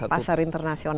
pasar internasional ya